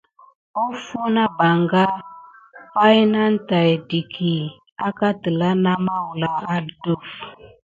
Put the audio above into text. Offo nà ɓanga pay nane tät ɗiti ki àkà telà na mawuala adef.